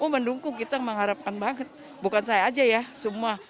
mendukung kita mengharapkan banget bukan saya aja ya semua